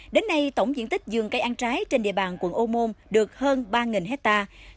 đến nay tổng diện tích giường cây ăn trái trên địa bàn quận ô môn được hơn ba hectare